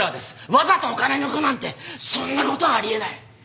わざとお金を抜くなんてそんな事はあり得ない！